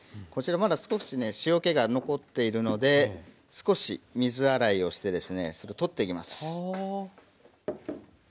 こちらまだ少しね塩気が残っているので少し水洗いをしてですねそれを取っていきます。